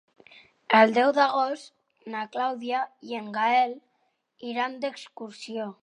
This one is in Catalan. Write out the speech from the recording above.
El deu d'agost na Clàudia i en Gaël iran d'excursió.